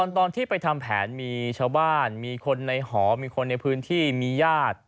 ตอนที่ไปทำแผนมีชาวบ้านมีคนในหอมีคนในพื้นที่มีญาติ